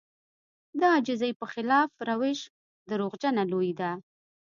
د عاجزي په خلاف روش دروغجنه لويي ده.